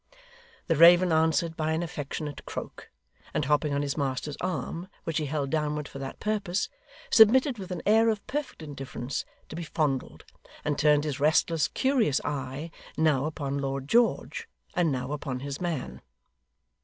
The raven answered by an affectionate croak, and hopping on his master's arm, which he held downward for that purpose, submitted with an air of perfect indifference to be fondled, and turned his restless, curious eye, now upon Lord George, and now upon his man.